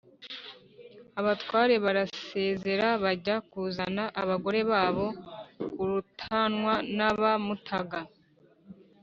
abatware barasezera bajya kuzana abagore babo kurutanwa n' aba mutaga